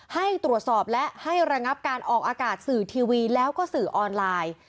ให้ตรวจสอบและให้ระงับการออกอากาศสื่อทีวีแล้วก็สื่อออนไลน์